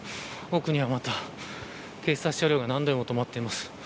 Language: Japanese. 奥にはまた警察車両が何台も止まっています。